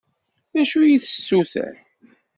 D acu i yi-d-tessuter?